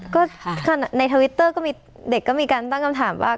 ก็ในทวิตเตอร์ก็มีเด็กก็มีการตั้งคำถามว่า